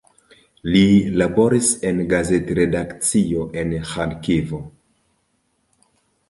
Li laboris en gazet-redakcioj en Ĥarkivo.